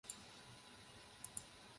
经过三个月谈判才正式组成政府。